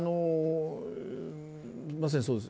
まさにそうです。